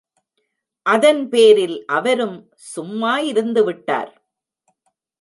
அதன்பேரில் அவரும் சும்மா இருந்துவிட்டார்.